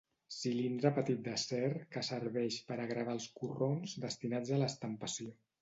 Cilindre petit d'acer que serveix per a gravar els corrons destinats a l'estampació.